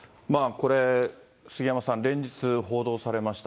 これ、杉山さん、連日報道されました、